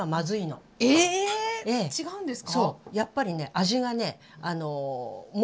違うんですか？